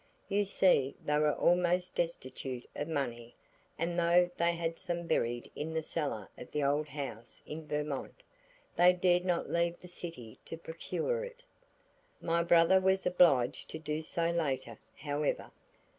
You see they were almost destitute of money and though they had some buried in the cellar of the old house in Vermont, they dared not leave the city to procure it. My brother was obliged to do so later, however.